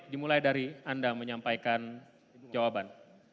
dimulai dari anda menyampaikan jawaban